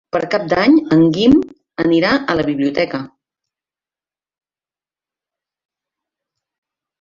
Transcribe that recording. Per Cap d'Any en Guim anirà a la biblioteca.